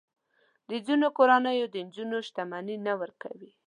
د ځینو کورنیو د نجونو شتمني نه ورکوي.